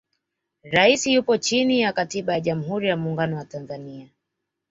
rais yupo chini ya katiba ya jamhuri ya muungano wa tanzania